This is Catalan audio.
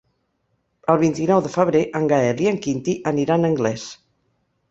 El vint-i-nou de febrer en Gaël i en Quintí aniran a Anglès.